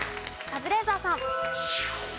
カズレーザーさん。